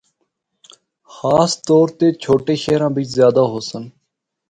خاص طور تے چھوٹے شہراں بچ زیادہ ہوسن۔